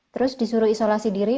terus disuruh isolasi diri